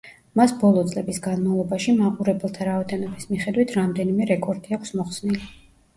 მას ბოლო წლების განმავლობაში, მაყურებელთა რაოდენობის მიხედვით, რამდენიმე რეკორდი აქვს მოხსნილი.